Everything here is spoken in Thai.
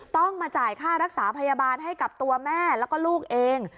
ต้องมาจ่ายค่ารักษาพยาบาลให้กับตัวแม่แล้วก็ลูกเอง